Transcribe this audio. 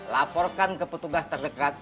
laporkan ke petugas terdekat